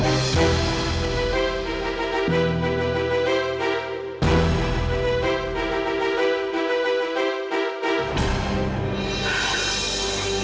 kamila minta berpisah dengan fadil